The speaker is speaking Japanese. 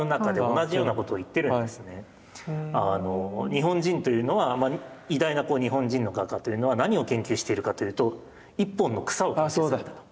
日本人というのは偉大な日本人の画家というのは何を研究しているかというと一本の草を研究するんだと。